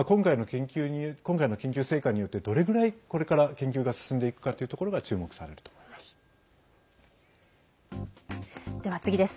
今回の研究成果によってどれぐらいこれから研究が進んでいくかというところが注目されると思います。